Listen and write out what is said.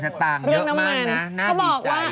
ลดไป๕๐ตังค์เยอะมากนะน่าดีใจ